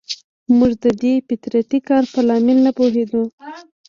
موږ د دې فطري کار په لامل نه پوهېدو.